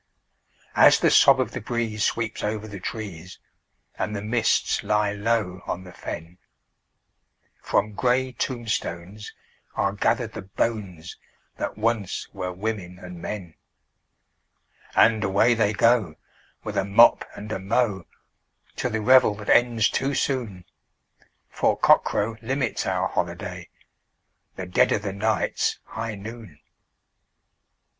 As the sob of the breeze sweeps over the trees, and the mists lie low on the fen, From grey tombstones are gathered the bones that once were women and men, And away they go, with a mop and a mow, to the revel that ends too soon, For cockcrow limits our holiday—the dead of the night's high noon!